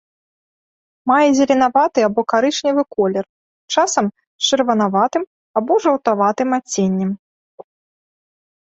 Мае зеленаваты або карычневы колер, часам з чырванаватым або жаўтаватым адценнем.